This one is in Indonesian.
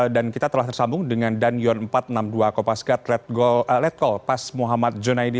dan kita telah tersambung dengan danion empat ratus enam puluh dua kopaskat red call pas muhammad junaidi